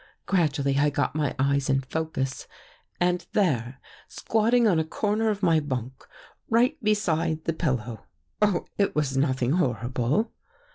Gradually I got my eyes in focus and there, squatting on a corner of my bunk, right beside the pillow — oh, it was nothing horrible